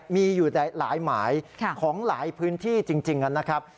มีอยู่หลายหมายของหลายพื้นที่จริงนะครับ